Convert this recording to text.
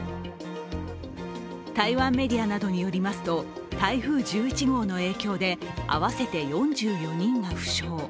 台湾メディアなどによりますと台風１１号の影響で合わせて４４人が負傷。